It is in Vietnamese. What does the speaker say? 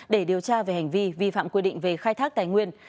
để điều tra về hành vi vi phạm quy định về khai thác tài nguyên